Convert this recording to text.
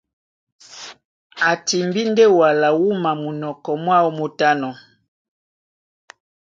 A timbí ndé wala wúma munɔkɔ mwáō mú tánɔ̄.